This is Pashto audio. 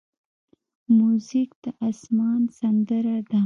موزیک د آسمان سندره ده.